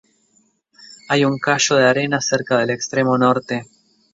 Hay un cayo de arena cerca del extremo norte.